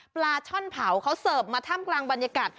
ปลาช่อนเผาเขาเสิร์ฟมาท่ามกลางบรรยากาศ